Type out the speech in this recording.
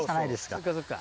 そっかそっか。